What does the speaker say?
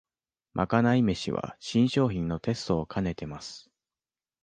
まかない飯は新商品のテストをかねてます